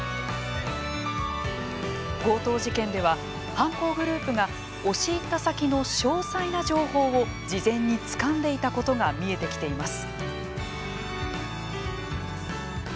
強盗事件では、犯行グループが押し入った先の詳細な情報を事前につかんでいたことが見えてきています。